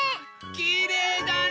きれいだね！